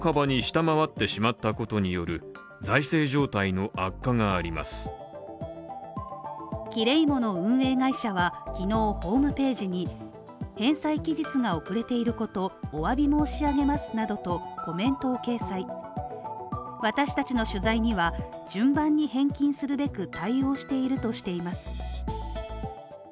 その際、社長からはこんな説明がキレイモの運営会社は昨日ホームページに返済期日が遅れていること、お詫び申し上げますなどとコメントを掲載私達の取材には順番に返金するべく対応しているとしています。